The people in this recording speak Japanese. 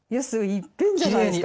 いっぺんじゃないですか。